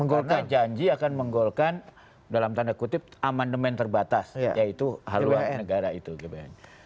karena janji akan menggolkan dalam tanda kutip amendemen terbatas yaitu haluan negara itu gbhn